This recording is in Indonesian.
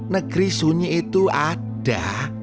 negeri sunyi itu ada